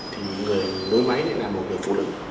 thì người nối máy này là một người phụ nữ